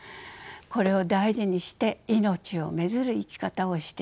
これを大事にして「いのちを愛づる」生き方をしていきます。